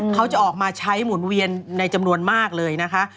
เขาจะออกมาใช้หมุนเวียนในจำนวนมากเลยนะคะ